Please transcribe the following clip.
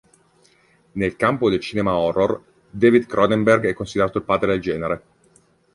Nel campo del cinema horror, David Cronenberg è considerato il padre del genere.